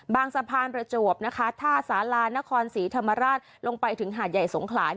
สะพานประจวบนะคะท่าสารานครศรีธรรมราชลงไปถึงหาดใหญ่สงขลา